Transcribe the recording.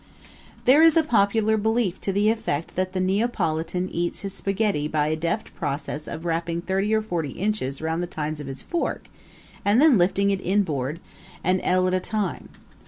There is a popular belief to the effect that the Neapolitan eats his spaghetti by a deft process of wrapping thirty or forty inches round the tines of his fork and then lifting it inboard, an ell at a time.